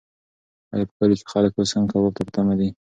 ایا په کلي کې خلک اوس هم کباب ته په تمه دي؟